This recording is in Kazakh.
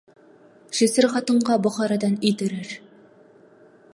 Жесір қатынға Бұқарадан ит үрер.